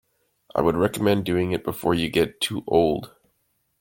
I would recommend doing it before you get too old.